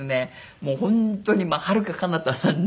もう本当にはるかかなたなんで。